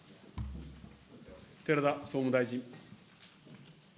寺田総務大臣。